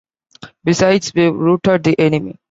Besides, we've routed the enemy.